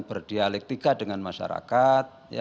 berdialektika dengan masyarakat